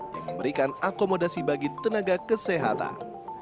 yang memberikan akomodasi bagi tenaga kesehatan